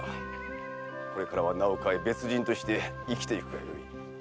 これからは名を変え別人として生きていくがよい。